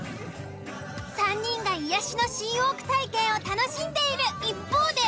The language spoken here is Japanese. ３人が癒やしのシーウォーク体験を楽しんでいる一方で。